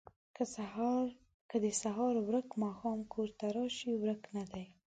ـ که د سهار ورک ماښام کور ته راشي ورک نه دی